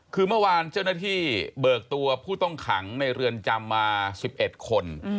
คือเมื่อวานเจ้าหน้าที่เบิกตัวผู้ต้องขังในเรือนจำมา๑๑คน